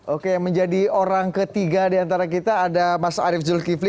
oke menjadi orang ketiga diantara kita ada mas arief zulkifli